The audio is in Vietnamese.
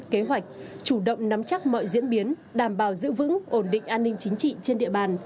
kế hoạch chủ động nắm chắc mọi diễn biến đảm bảo giữ vững ổn định an ninh chính trị trên địa bàn